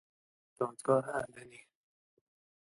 دادگاه علنی